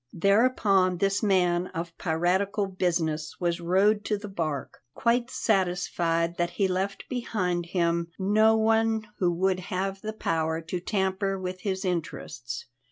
Thereupon this man of piratical business was rowed to the bark, quite satisfied that he left behind him no one who would have the power to tamper with his interests.